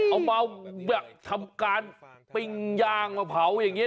เอามาแบบทำการปิ้งย่างมาเผาอย่างนี้